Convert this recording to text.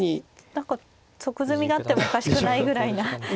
何か即詰みがあってもおかしくないぐらいな。